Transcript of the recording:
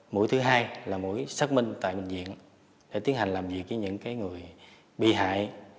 mũi thứ hai là mũi xác minh tại bệnh viện để tiến hành làm việc với những người bị hại